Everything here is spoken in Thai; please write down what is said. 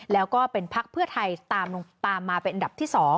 แล้วก็เป็นพักเพื่อไทยตามมาเป็นอันดับที่๒